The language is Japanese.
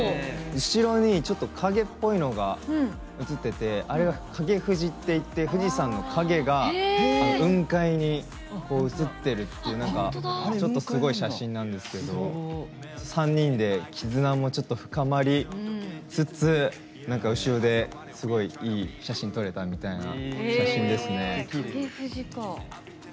後ろに、ちょっと影っぽいのが写っていてあれが、影富士っていって富士山の影が雲海に写っているっていうすごい写真なんですけど３人で絆もちょっと深まりつつ後ろですごいいい写真撮れたみたいな写真ですね。